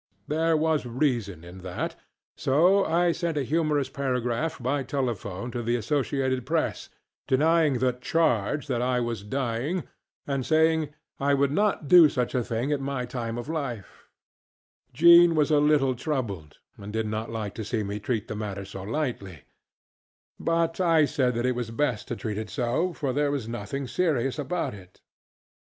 There was reason in that; so I sent a humorous paragraph by telephone to the Associated Press denying the ŌĆ£chargeŌĆØ that I was ŌĆ£dying, ŌĆØ and saying ŌĆ£I would not do such a thing at my time of life. ŌĆØ Mr. Gabrilowitsch had been operated on for appendicitis. Jean was a little troubled, and did not like to see me treat the matter so lightly; but I said it was best to treat it so, for there was nothing serious about it.